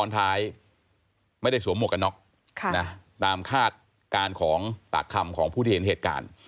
ตามคาดการของปากคำของผู้ที่เห็นเหตุการณ์